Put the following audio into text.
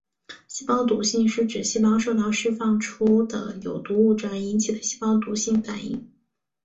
细胞毒性是指细胞受到释放出的有毒物质而引起的细胞毒性反应。